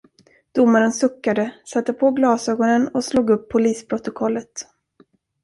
Domaren suckade, satte på glasögonen och slog upp polisprotokollet.